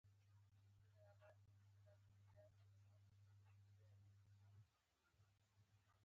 فلم د ذهن رڼا ده